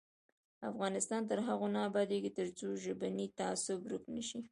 افغانستان تر هغو نه ابادیږي، ترڅو ژبنی تعصب ورک نشي.